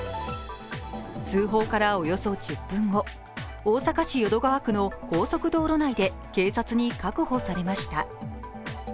通報からおよそ１０分後、大阪市淀川区の高速道路内で警察に確保されました。